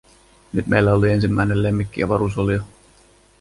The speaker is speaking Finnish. Nyt meillä oli ensimmäinen lemmikkiavaruusolio.